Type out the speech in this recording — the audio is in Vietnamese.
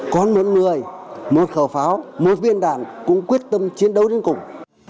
còn một người một khẩu pháo một viên đạn cũng quyết tâm chiến đấu đến cùng